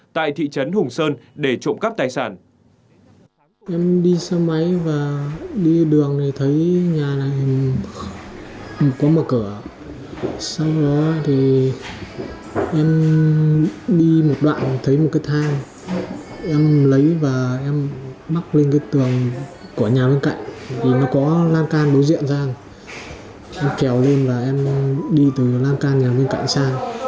tại thị trấn hùng sơn để trộm cắp tài sản